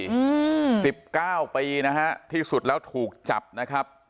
อืมสิบเก้าปีนะฮะที่สุดแล้วถูกจับนะครับ